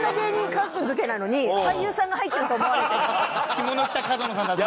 着物着た角野さんだと。